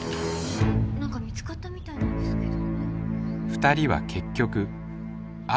なんかみつかったみたいなんですけど。